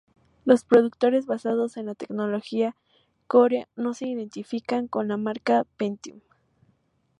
Los productos basados en la tecnología Core no se identifican con la marca Pentium.